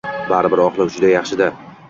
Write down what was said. Baribir oqlik juda yaxshi-da.